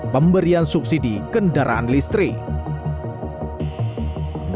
pemerintah tersebut menilai kebijakan ini tidak tepat sasaran